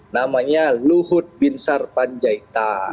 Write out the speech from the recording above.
namanya luhut bin sar panjaita